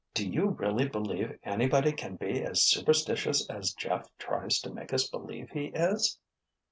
"Do you really believe anybody can be as superstitious as Jeff tries to make us believe he is?"